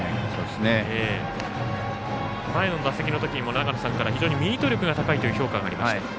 前の打席の時も長野さんから非常にミート力が高いという評価がありました。